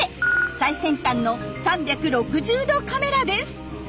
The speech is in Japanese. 最先端の３６０度カメラです。